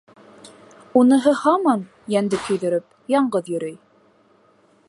Уныһы һаман, йәнде көйҙөрөп, яңғыҙ йөрөй.